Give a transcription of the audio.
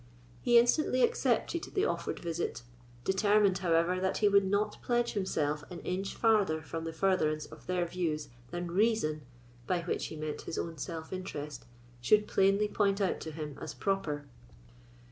He instantly accepted the offered visit, determined, however, that he would not pledge himself an inch farther for the furtherance of their views than reason (by which he meant his own self interest) should plainly point out to him as proper.